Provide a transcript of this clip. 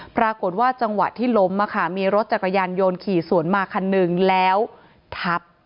ปรากฏว่าจังหวะที่ล้มมีรถจักรยานยนต์ขี่สวนมาคันหนึ่งแล้วทับ